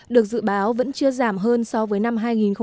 được dự báo vẫn chưa giảm hơn so với năm hai nghìn một mươi tám